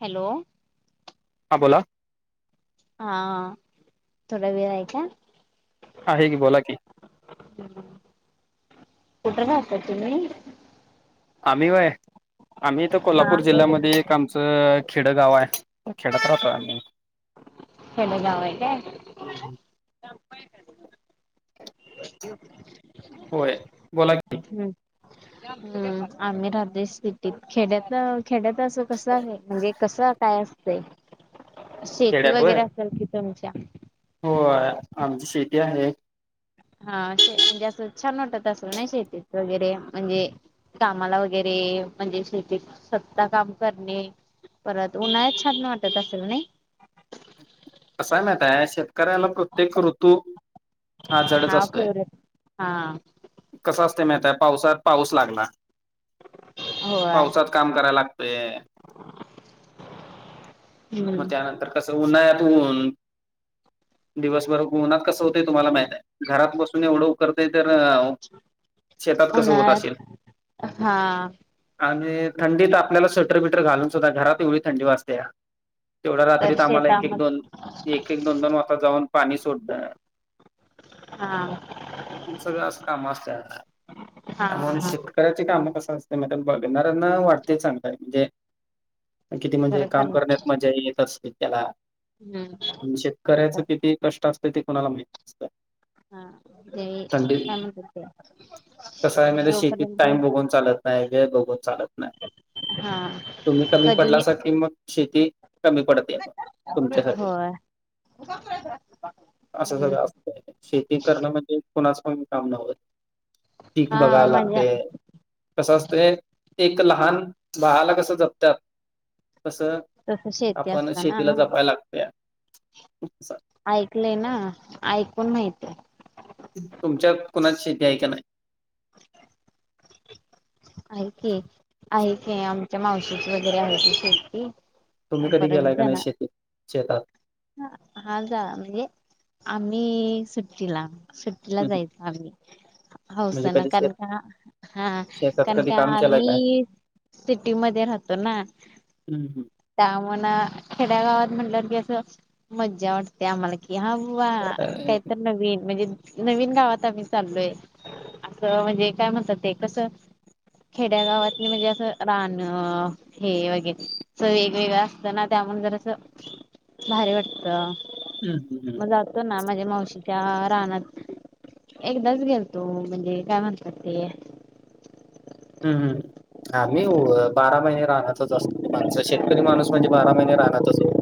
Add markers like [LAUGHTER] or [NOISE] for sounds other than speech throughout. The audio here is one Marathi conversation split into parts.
हॅलो! हा बोला. हा थोडा वेळ आहे काय. आहे की बोला की. कुठ राहता तुम्ही. आम्ही वय आम्ही इथं हा कोल्हापूर जिल्ह्यामध्ये एक आमचं खेड गाव आहे खेडत राहतोय आम्ही. खेडे गाव हाय काय. हम् हम. [INAUDIBLE] होय बोला की हम्म. हम् आम्ही राहतोय सिटीत खेड्यात खेड्यात असं कसं आहे म्हणजे कसं काय असतं शेती खेड्यात होय वगैरे असेल कि. चमच्या होय आमची शेती आहे. हा म्हणजे असं छान वाटत असं नाही शेतीत वगैरे म्हणजे कामाला वगैरे म्हणजे शेतीत सत्ता काम करणे. परत उन्हाळ्यात छानन वाटत असेल नाही. कंस हाय माहित आहे शेतकऱ्याला प्रत्येक ऋतू हा जडच असतोय. फेवरेट हा कसा असते मिहतय पावसात पाऊस लागला होय पावसात काम करायला लागतय. मग हम्म त्यानंतर कसं उन्हाळ्यात ऊन दिवसभर उन्हात कसं होतं तुम्हाला माहितय घरात बसून एवढं उकरते तर शेतात कसं होत असेल उन्हाळ्यात हा आणि थंडीत आपल्याला स्वेटर बटर घालून सुद्धा घरात एवढी थंडी वाजत्या तेवढ्या तर रात्रीत आम्हांला एक- एक शेतामध्ये दोन, एक -एक, दोन- दोन वाजता जाऊन पाणी सोडणं. [UNINTELLIGIBLE] हा.. सगळं असं काम असत्यात हा त्यामुळ शिक हा शेतकऱ्यांची काम कसं असतयं महित्या बघणाऱ्यांना वाटतंय चांगलाय जे किती म्हणजे खर चाल काम करण्यात मज्जा येत असतील त्याला. हं‌.. शेतकऱ्याचं किती कष्ट असतंय ते कुणाला माहित नसतं. हा ते काय म्हणत्यात ते.. कसाय माहिताय शेतीत जोपर्यंत टाइम बघून चालत नाही, वेळ बघून चालत नाही. हा तुम्हीं कमी कधी पडलासा की मग शेती कमी पडती. तुमच्यासाठी होय असं सगळं हम्म असतंय. शेती करणं म्हणजे कुणाचं पण काम नव्हं पीक हा बघाय माझ्या लागतंय, कसं असतयं एक लहान बाळाला कसं जपत्यात तसं तस शेती आपण असताना शेतीला जपाय लागतया असं. ऐकलंय ना, ऐकून माहिताय. तुमच्यात कुणाची शेती आहे का नाही? [UNINTELLIGIBLE] आहे की, आहे की आमच्या मावशीची वगैरे आहे ती शेती. तुम्ही कधी परत गेलाय का नाही जना शेतीत? शेतात ह हा झा म्हणजे आम्ही सुट्टीला सुट्टीला हं, हं. जायचं आम्हीं म्हणजे हौसनं, कधी शेत कारण का हा.. शेतात कारण कधी का काम केलंय काय? आम्ही सिटी मध्ये राहतो ना, हम्म त्या आम्हांना खेड्या गावात म्हटलंवर की असं मज्जा वाट टते आम्हांला की, हां बुवा कायतर नवीन म्हणजे नवीन गावात आम्ही चाललोय असं म्हणजे काय म्हणतात ते कसं खेड्या गावातनी म्हणजे असं रानं हे वगैरे असं वेगवेगळं असतं ना त्यामुळे जरा असं भारी वाटतं. हं.. हं. तो ना माझ्या मावशीच्या रानात. एकदाच गेलतो म्हणजे काय म्हणतात ते, हं.. हं.. आम्हीं व बारा महिने रानातच असणारी माणसं, शेतकरी माणूस म्हणजे बारा महिने रानातच वो.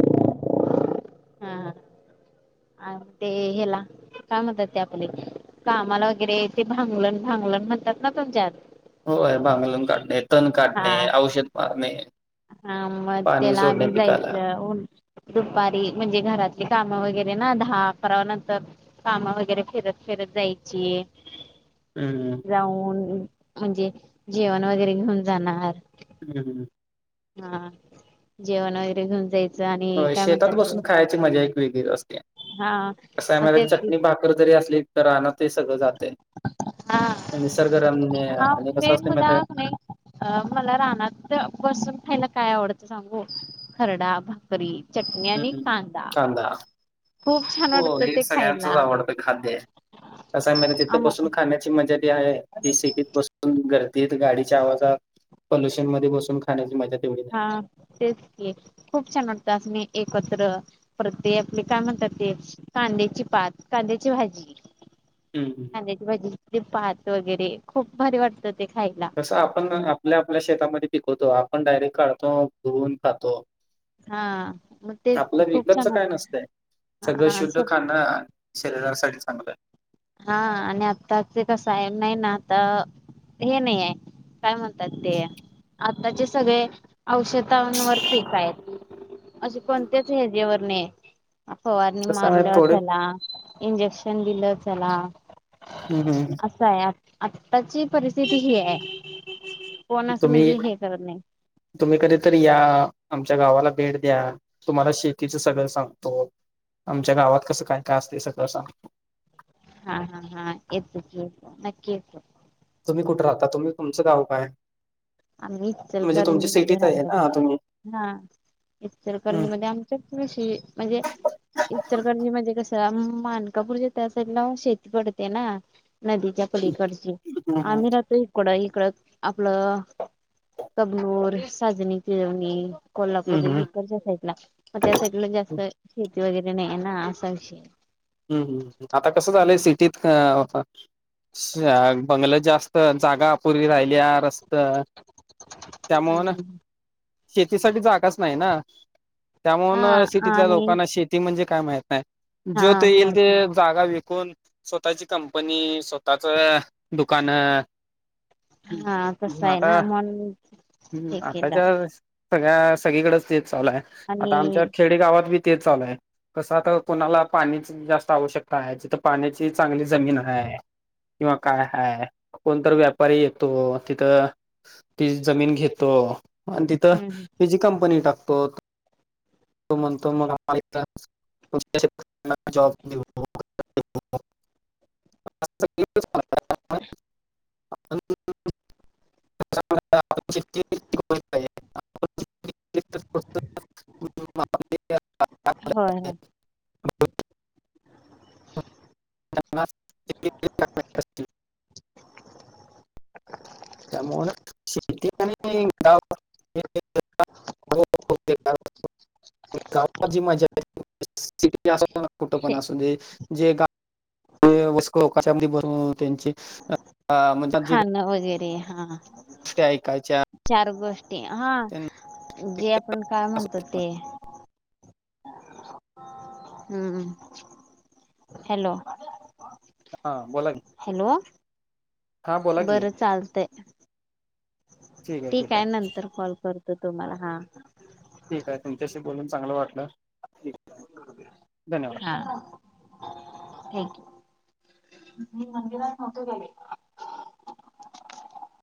हां, हां, आणि ते हेला काय म्हणतात ते आपले कामाला वगैरे ते भांगलण, भांगलण म्हणतात ना तुमच्यात होय भांगलून काढणे, तण काढणे, हा औषध मारणे. हा मग पाणी त्याला सोडणे आम्ही पिकाला. जायचं उन दुपारी म्हणजे घरातली कामं वगैरे ना दहा-अकरा नंतर कामं वगैरे फिरत -फिरत जायची. हं.. हं.. जाऊन म्हणजे जेवण वगैरे घेऊन जाणार. ह.. ह.. हा जेवण वगैरे घेऊन जाय होय शेतात बसून खायाची मज्जा एक वेगळीच असत्या, हा कसं हाय मग तेच माहित्या की चटणी-भा कर जरी असली तर रानात ते सगळं जातंय. हा निसर्गरम्य आणि कसं असतं माहितीये? अं मला रानात बसून खायला काय आवडतं सांगू, खरडा भा करी, चटणी हं आणि हं. कांदा खूप छान वाटतं ते खायला. खाद्यय कसय म्ह तिथं आम बसून खाण्याची मजा जी हाय ती सिटीत बसून गर त गाडीच्या आवाजात पोल्युशन मध्ये बसून खाण्याची मझा तेवढी नाही. हा तेच कि खूप छान वाटतं असं एकत्र परते आपले काय म्हणतात ते कांद्याची पात कांद्याची भाजी हम्म. कांद्याची भाजी भात वगैरे खूप भारी वाटतं ते खायला. तसं आपण आपल्या आपल्या शेतामध्ये पिकवतो. आपण डायरेक्ट काढतो धुवून खातो. हा मग तेच की आपलं खूप विकतचं छान काय वाटतं नसतंय. सगळं हा शुद्ध खाणं शरीरासाठी चांगलंय. हा आणि आत्ता ते कसंय नाही ना आता हे नाहीये. काय म्हणतात. ते आताचे सगळे औषधांवर पिकतायत. असे कोणत्याच याच्यावर न्हाय. फवारणी कसं आहे माहिती आहे, मारलं थोडे चला इंजेक्शन दिलं चला. हम्म हम्म. कायय आताची परिस्थिती हीय. कोण असं म्हणजे तुम्ही हे करत नाही. तुम्ही कधीतरी या आमच्या गावाला भेट द्या तुम्हाला शेतीचं सगळं सांगतो. आमच्या गावात कसं काय काय असते सगळं सांगतो. हा हा हा येत कि येतो नक्की येतो. तुम्ही कुठं राहता? तुम्ही तुमचं गाव काय? आम्ही म्हणजे तुमची इचलकरंजी मध्ये सिटीत आहे राहतो ना बघा तुम्ही हा हम्म इचचलकरंजी मध्ये आम् [UNINTELLIGIBLE] म्हणजे इचलकरंजी म्हणजे कसं? मानकापूर ज्यात्या साईड ला शेती पडते ना. नदीच्या पलीकडची हम्म हम्म आम्ही राहतो इकडं इकडं आपलं तगलोर, साजणी, पिळवणी, कोल्हापूर हम्म ईकड च्या साईड ला मग त्या साइडला जास्त शेती वगैरे नाहीे ना असा विषयय. हम्म हम्म, आता कसं झालंय सिटीत हं हं स्या बंगल्यात जास्त जागा पूरी राहिल्या रस्तं त्यामुळं ना शेतीसाठी जागाच नाही ना हा त्यामुळन सिटीतल्या लोकांना शेत ती म्हणजे काय? माहित न्हाय. हां माहित नाय. जागा विकून स्वतःची कंपनी, स्वतःच दुकानं तसं हा आहे का? ना म्हणून हे केलं आताच्या सगळ्या सगळीकडंच तेच चालूय. आता आमच्या आणि खेडे गावात बी तेच चालूय कसं आता कोणाला पाणी जास्त आवश्यकता आहे जिथं पाण्याची चांगली जमीनय. किंवा काय हाय कोणतर व्यापारी येतो तिथं ती जमीन घेतो. आणि तिथं तिची कंपनी टाकतो. तो म्हणतो मला मा [UNINTELLIGIBLE] [UNINTELLIGIBLE] तुम्हाला जॉब देऊ असं केलं चालणार. आपण आपण शेती स्वस्तात स्वस्त होय, होय. त्यांनाच, जमिनी विकत देत असतील. त्यामुळ शेती आणि गाव [INAUDIBLE] गाव- [INAUDIBLE] गावात जी मजाय, [INAUDIBLE] कुठं पण असू दे. जे काम कशामध्ये बर त्यांचे म्हणजे [UNINTELLIGIBLE] खाणं वगैरे, हा. गोष्टी ऐकायच्या. चार गोष्टी. हा, त्यांना एक जे आपण काय म्हणतो? असं ते हम्म. हॅलो. हा, बोला की. हॅलो. हा बोला की बरं चालतंय. ठीक आहे ठीक ठीकाय. आहे नंतर कॉल करतो तुम्हाला. हा. ठीकाय. तुमच्याशी बोलून चांगलं वाटलं. धन्यवाद हा, ठीके. मी मंदिरात नव्हतो गेले.